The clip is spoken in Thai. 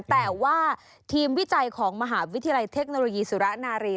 แต่ว่าทีมวิจัยของมหาวิทยาลัยเทคโนโลยีสุรนารี